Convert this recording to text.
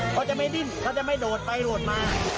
เขาจะไม่ดิ้นเขาจะไม่โดดไปโดดมา